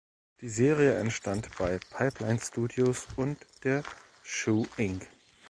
Die Serie entstand bei „Pipeline Studios“ und der „Shoe Ink“.